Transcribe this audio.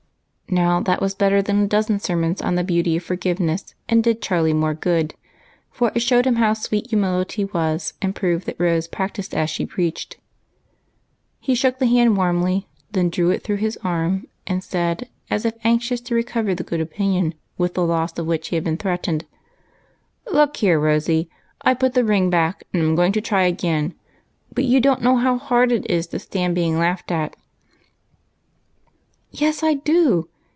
Now that was better than a dozen sermons on the beauty of forgiveness, and did Charlie more good, for it showed him how sweet humility was, and proved that Rose practised as she preached. 12* R 274 EIGHT COUSINS. He shook the hand warmly, then drew it through his arm and said, as if anxious to recover the good opinion with the loss of which he had been threat ened, —*' Look here, Rosy, I 've jDut the ring back, and I 'm going to try again. But you don't know how hard it is to stand being laughed at." " Yes, I do